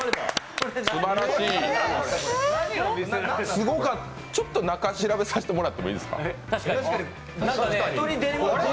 すごかった中、調べさせてもらっていいですか。